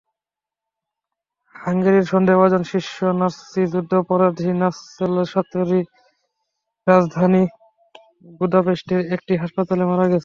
হাঙ্গেরির সন্দেহভাজন শীর্ষ Nazi যুদ্ধাপরাধী লাৎসলো safari রাজধানী বুদাপেস্টের একটি হাসপাতালে মারা গেছেন।